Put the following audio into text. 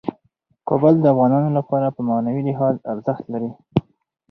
کابل د افغانانو لپاره په معنوي لحاظ ارزښت لري.